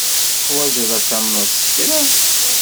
Teḥwajeḍ ad tamneḍ s kra.